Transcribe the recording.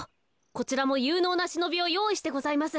こちらもゆうのうなしのびをよういしてございます。